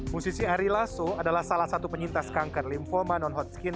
musisi ari lasso adalah salah satu penyintas kanker lymphoma non hotskin